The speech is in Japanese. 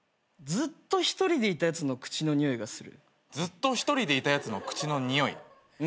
ずっと一人でいたやつの口のにおいがする。